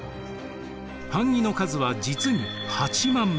版木の数は実に８万枚。